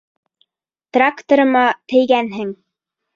— Тракторыма тейгәнһең.